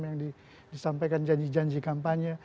yang disampaikan janji janji kampanye